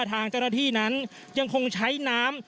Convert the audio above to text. ทางเจ้าหน้าที่นั้นยังคงใช้น้ำ